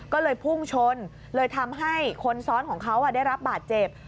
ก็เลยพุ่งชนเลยทำให้คนซ้อนของเขาได้รับบาดเจ็บ